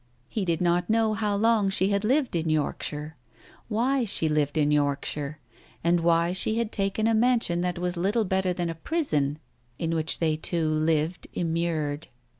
He did not know how long she had lived in Yorkshire, why she lived in Yorkshire, and why she had taken a mansion that was little better than a prison in which they two lived immured.